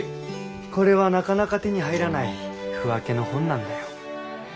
これはなかなか手に入らない腑分けの本なんだよ。